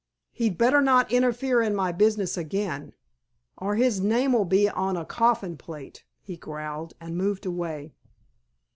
"He'd better not interfere in my business again, or his name'll be on a coffin plate," he growled, and moved away.